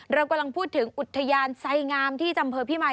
เรากำลังพูดถึงอุทยานไสงามที่จำอำเภอพิมาย